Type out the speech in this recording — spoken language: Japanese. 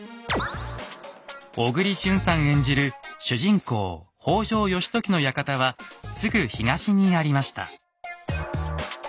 小栗旬さん演じる主人公・北条義時の館はすぐ東にありました。